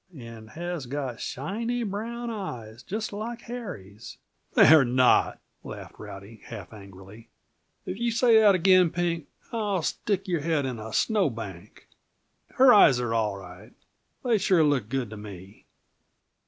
"And has got shiny brown eyes, just like Harry's " "They're not!" laughed Rowdy, half angrily. "If you say that again, Pink, I'll stick your head in a snow bank. Her eyes are all right. They sure look good to me."